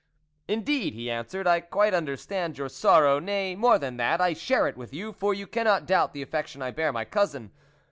" Indeed," he answered, " I quite under stand your sorrow, nay, more than that, I share it with you, for you cannot doubt the affection I bear my cousin.